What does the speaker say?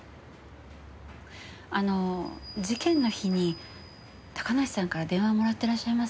あの事件の日に高梨さんから電話もらってらっしゃいますよね？